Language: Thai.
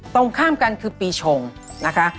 ตรงข้ามกันคือปีชงนะคะ